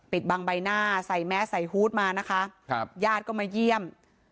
บางใบหน้าใส่แมสใส่ฮูตมานะคะครับญาติก็มาเยี่ยม